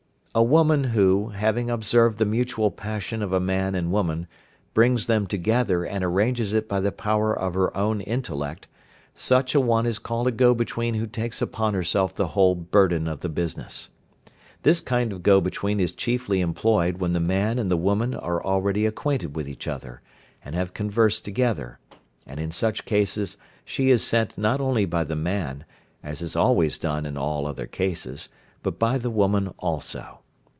A woman who, having observed the mutual passion of a man and woman, brings them together and arranges it by the power of her own intellect, such an one is called a go between who takes upon herself the whole burden of the business. This kind of go between is chiefly employed when the man and the woman are already acquainted with each other, and have conversed together, and in such cases she is sent not only by the man (as is always done in all other cases) but by the woman also.